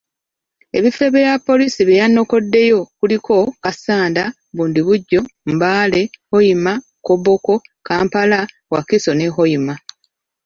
Ebifo ebirala poliisi bye yanokoddeyo kuliko; Kassanda, Bundibugyo, Mbale, Hoima, Koboko, Kampala, Wakiso ne Hoima.